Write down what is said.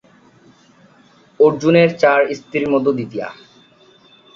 অর্জুনের চার স্ত্রীর মধ্যে দ্বিতীয়া।